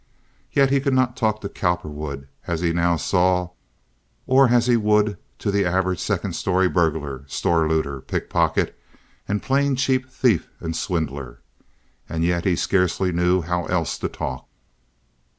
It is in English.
Yet he could not talk to Cowperwood as he now saw or as he would to the average second story burglar, store looter, pickpocket, and plain cheap thief and swindler. And yet he scarcely knew how else to talk.